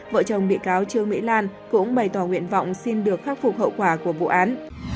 vợ chồng bị cáo trương mỹ lan cũng bày tỏ nguyện vọng xin được khắc phục hậu quả của vụ án